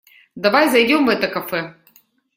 Давай зайдём в это кафе.